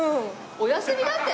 お休みだって！